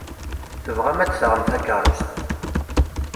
Tebɣam ad d-taɣem takeṛṛust.